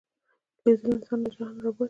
لیدل انسان له جهل نه را باسي